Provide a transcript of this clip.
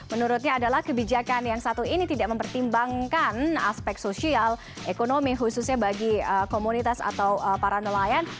menurutnya adalah kebijakan yang satu ini tidak mempertimbangkan aspek sosial ekonomi khususnya bagi komunitas atau para nelayan